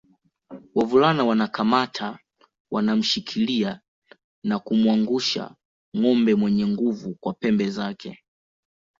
Wavulana wanakamata wanamshikilia na kumwangusha ngombe mwenye nguvu kwa pembe zake